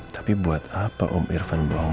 tapi buat apa om irfan belum